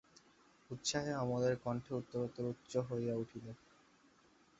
উৎসাহে অমলের কণ্ঠে উত্তরোত্তর উচ্চ হইয়া উঠিল।